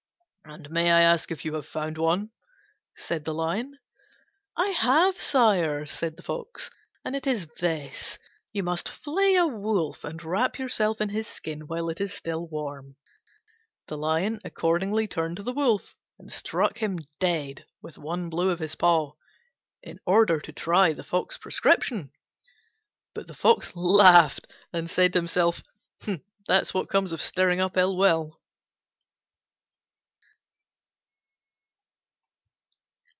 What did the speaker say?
"And may I ask if you have found one?" said the Lion. "I have, sire," said the Fox, "and it is this: you must flay a Wolf and wrap yourself in his skin while it is still warm." The Lion accordingly turned to the Wolf and struck him dead with one blow of his paw, in order to try the Fox's prescription; but the Fox laughed and said to himself, "That's what comes of stirring up ill will."